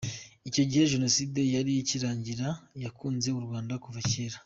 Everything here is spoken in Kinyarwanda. Icyo gihe Jenoside yari ikirangira, yakunze u Rwanda kuva kera.